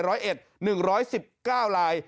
ร้อยเอ็ด๑๑๙ลาย